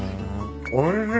おいしい。